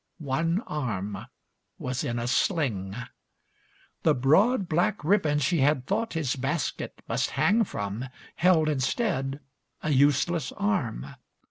One arm was in a sling. X The broad, black ribbon she had thought his basket Must hang from, held instead a useless arm.